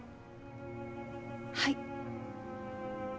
はい。